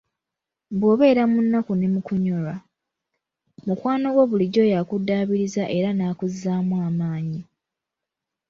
Bw'obeera mu nnaku ne mukunyolwa, mukwano gwo bulijjo yakuddaabiriza era nakuzzaamu amaanyi.